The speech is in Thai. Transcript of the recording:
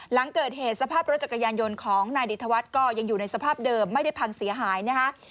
หลังเกิดเหตุสภาพรถจักรยานยนต์ของนายดิธวัฒน์ก็ยังอยู่ในสภาพเดิมไม่ได้พังเสียหายนะคะ